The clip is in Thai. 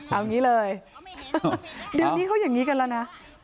เอาอย่างนี้เลยเดี๋ยวนี้เขาอย่างนี้กันแล้วนะ